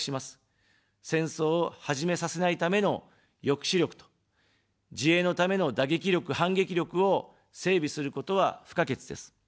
戦争を始めさせないための抑止力と、自衛のための打撃力、反撃力を整備することは不可欠です。